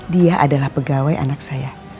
dia adalah pegawai anak saya